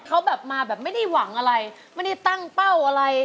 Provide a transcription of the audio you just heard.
เขาแบบมาแบบไม่ได้หวังอะไรไม่ได้ตั้งเป้าอะไร